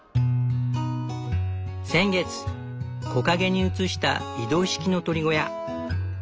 先月木陰に移した移動式の鶏小屋。